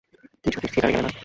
কী সতীশ, থিয়েটারে গেলে না।